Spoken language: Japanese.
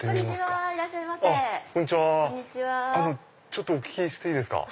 ちょっとお聞きしていいですか？